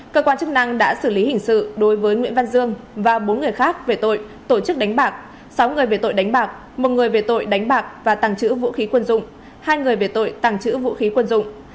cơ quan chức năng đã xử lý hình sự đối với nguyễn văn dương và bốn người khác về tội tổ chức đánh bạc sáu người về tội đánh bạc một người về tội đánh bạc và tàng trữ vũ khí quân dụng hai người về tội tàng trữ vũ khí quân dụng